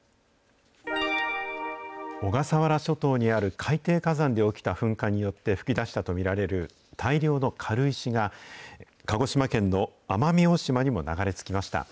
小笠原諸島にある海底火山で起きた噴火によって噴き出したと見られる大量の軽石が、鹿児島県の奄美大島にも流れ着きました。